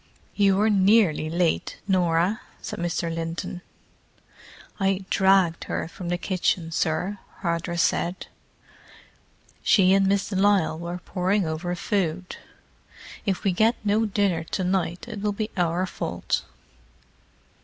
"You were nearly late, Norah," said Mr. Linton. "I dragged her from the kitchen, sir," Hardress said. "She and Miss de Lisle were poring over food—if we get no dinner to night it will be our fault."